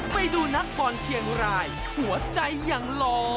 ไปดูนักบอลเชียงรายหัวใจยังหล่อ